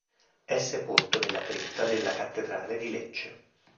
È sepolto nella cripta della cattedrale di Lecce.